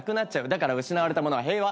だから失われたものは平和。